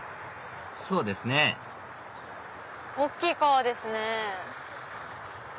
そうですね大きい川ですね。